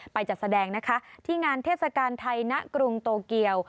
จัดแสดงนะคะที่งานเทศกาลไทยณกรุงโตเกียว